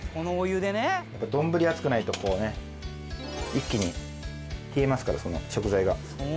丼熱くないとこうね一気に冷えますから食材が。